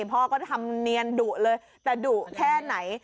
พ่อก็ทำเนียนดุเลยแต่ดุแค่ไหน